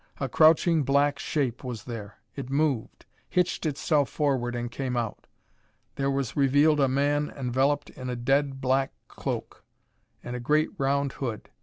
A crouching black shape was there. It moved; hitched itself forward and came out. There was revealed a man enveloped in a dead black cloak and a great round hood.